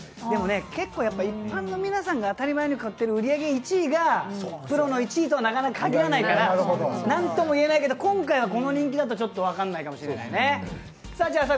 でもね、一般の皆さんが当たり前に買ってるものが売り上げ１位がプロの１位とはなかなか、限らないから何とも言えないけど、今回この１位だと分からないかもしれないね。